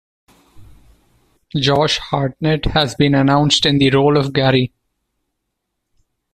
Josh Hartnett has been announced in the role of Gary.